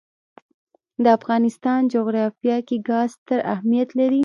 د افغانستان جغرافیه کې ګاز ستر اهمیت لري.